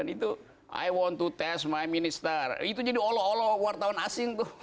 itu i want to test my minister itu jadi olo olo wartawan asing tuh